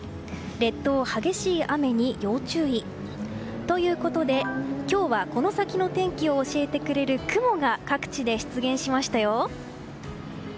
列島、激しい雨に要注意。ということで、今日はこの先の天気を教えてくれる雲が各地で出現しましたよ。